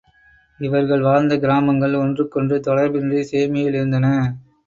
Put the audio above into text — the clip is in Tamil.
இவர்கள் வாழ்ந்த கிராமங்கள் ஒன்றுக்கொன்று தொடர்பின்றிச் சேய்மையில் இருந்தன.